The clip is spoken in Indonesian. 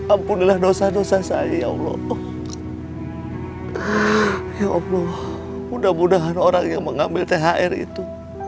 ampunilah dosa dosa saya ya allah ya allah mudah mudahan orang yang mengambil thr itu